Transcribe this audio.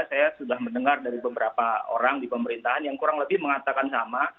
saya sudah mendengar dari beberapa orang di pemerintahan yang kurang lebih mengatakan sama